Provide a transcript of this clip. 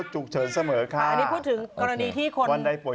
คุณวิสอันนี้ต้องแค่ด้วย